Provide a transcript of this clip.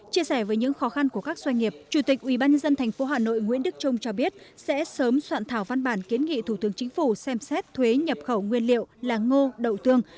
chia sẻ với những khó khăn của các doanh nghiệp chủ tịch ubnd tp hà nội nguyễn đức trung cho biết sẽ sớm soạn thảo văn bản kiến nghị thủ tướng chính phủ xem xét thuế nhập khẩu nguyên liệu là ngô đậu tương